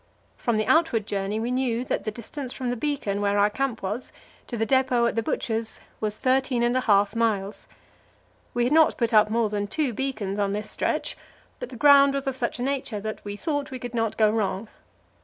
From the outward journey we knew that the distance from the beacon where our camp was to the depot at the Butcher's was thirteen and a half miles. We had not put up more than two beacons on this stretch, but the ground was of such a nature that we thought we could not go wrong.